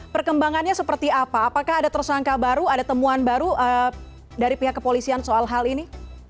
perkembangannya seperti apa apakah ada tersangka baru ada temuan baru dari pihak kepolisian soal hal ini